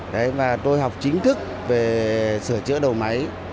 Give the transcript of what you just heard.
đấy và tôi học chính thức về sửa chữa đầu máy